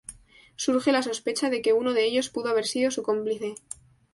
Surge la sospecha de que uno de ellos pudo haber sido su cómplice.